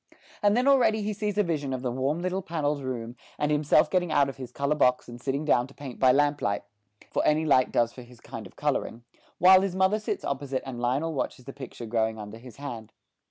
And then already he sees a vision of the warm little panelled room, and himself getting out his colour box and sitting down to paint by lamp light for any light does for his kind of colouring while his mother sits opposite and Lionel watches the picture growing under his hand.